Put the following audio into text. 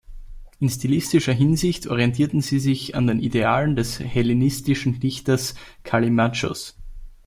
In stilistischer Hinsicht orientierten sie sich an den Idealen des hellenistischen Dichters Kallimachos.